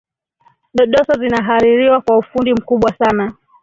dodoso zinahaririwa kwa ufundi mkubwa sana